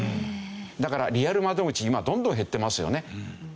だからリアル窓口今どんどん減ってますよね。